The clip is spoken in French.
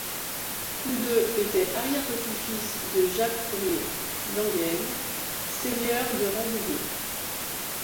Tous deux étaient arrière-petit-fils de Jacques Ier d'Angennes, seigneur de Rambouillet.